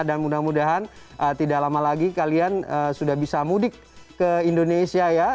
dan mudah mudahan tidak lama lagi kalian sudah bisa mudik ke indonesia ya